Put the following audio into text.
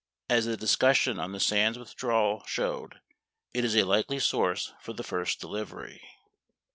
As the discussion on the Sands withdrawal showed, it is a likely source for the first delivery.